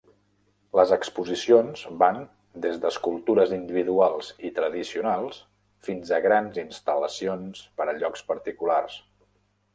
Les exposicions van des d'escultures individuals i tradicionals fins a grans instal·lacions per a llocs particulars.